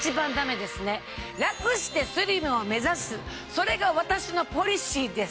それが私のポリシーです。